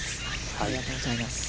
ありがとうございます。